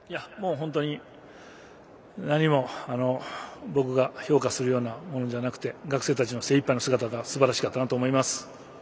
本当に何も僕が評価するようなものじゃなくて学生たちの精いっぱいの姿がすばらしかったなと思います。